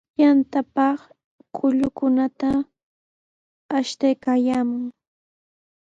Yantapaq kullukunata ashtaykaayaamun.